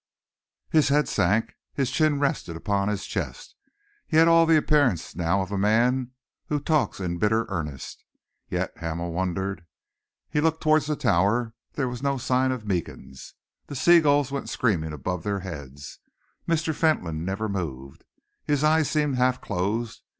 His head sank, his chin rested upon his chest. He had all the appearance now of a man who talks in bitter earnest. Yet Hamel wondered. He looked towards the Tower; there was no sign of Meekins. The sea gulls went screaming above their heads. Mr. Fentolin never moved. His eyes seemed half closed.